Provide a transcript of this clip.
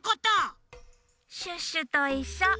シュッシュといっしょ！